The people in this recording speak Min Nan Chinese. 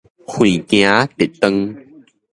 橫行直撞